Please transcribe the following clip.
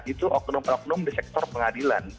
itu oknum oknum di sektor pengadilan